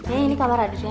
iya ini kamar adiknya